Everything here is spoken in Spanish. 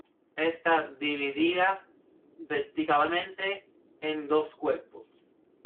Está dividida verticalmente en dos cuerpos.